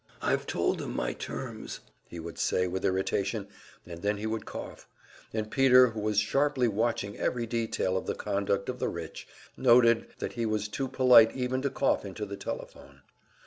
"I've told them my terms," he would say with irritation, and then he would cough; and Peter, who was sharply watching every detail of the conduct of the rich, noted that he was too polite even to cough into the telephone.